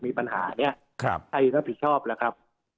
มีปัญหาเนี่ยใครรับผิดชอบล่ะครับ